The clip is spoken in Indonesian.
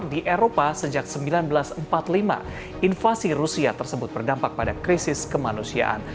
di eropa sejak seribu sembilan ratus empat puluh lima invasi rusia tersebut berdampak pada krisis kemanusiaan